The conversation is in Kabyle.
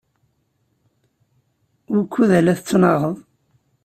Wukud ay la tettnaɣeḍ?